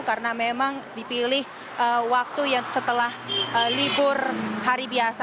karena memang dipilih waktu yang setelah libur hari biasa